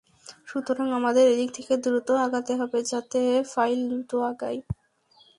সুতরাং আমাদের এদিক থেকে দ্রুত আগাতে হবে, যাতে ফাইল দ্রুত আগায়।